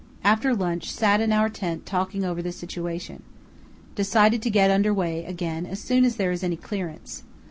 After lunch sat in our tent talking over the situation. Decided to get under way again as soon as there is any clearance.